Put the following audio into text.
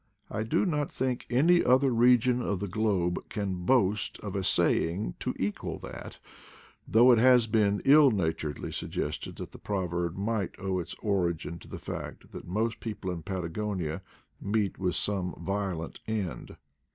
I do not think any other region of the globe can IDLE DATS 123 boast of a saying to equal that; though it has been ill naturedly suggested that the proverb might owe its origin to the fact that most people in Patagonia meet with some violent end.